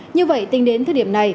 như vậy tính đến thời điểm này